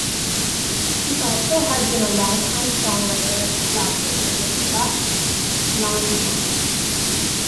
He also has been a longtime songwriting collaborator with Jacques Lanzmann.